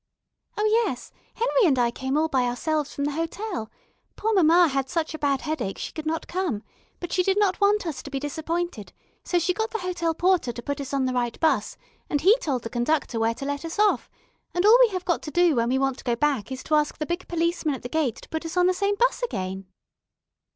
"Oh, yes, Henry and I came all by ourselves from the hotel. Poor mamma had such a bad headache she could not come, but she did not want us to be disappointed, so she got the hotel porter to put us on the right 'bus, and he told the conductor where to let us off, and all we have got to do when we want to go back is to ask the big policeman at the gate to put us on the same 'bus again."